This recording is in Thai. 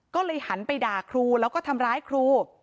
ก็เลยหันไปด่าครูแล้วก็ทำร้ายครู